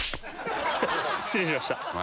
失礼しました。